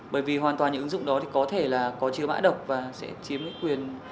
bởi vì hoàn toàn những ứng dụng đó thì có thể là có chứa mã độc và sẽ chiếm quyền